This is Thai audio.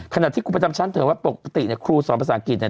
ขณะที่ครูประจำชั้นเผยว่าปกติเนี่ยครูสอนภาษาอังกฤษเนี่ย